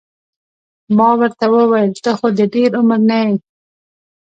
ما ورته وویل ته خو د ډېر عمر نه یې.